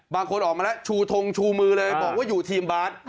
ออกมาแล้วชูทงชูมือเลยบอกว่าอยู่ทีมบาส